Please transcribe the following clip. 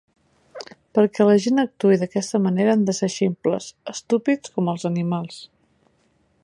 Perquè la gent actuï d'aquesta manera han de ser ximples, estúpids com els animals.